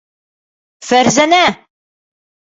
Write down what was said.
Фәрзәнә!